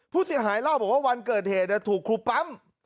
ผู้เสียหายเล่าบอกว่าวันเกิดเหตุถูกครูปั๊ม